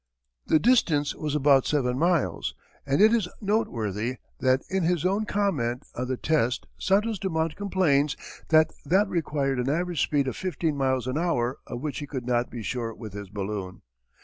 The distance was about seven miles, and it is noteworthy that in his own comment on the test Santos Dumont complains that that required an average speed of fifteen miles an hour of which he could not be sure with his balloon.